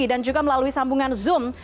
dan juga melalui sambungan zoom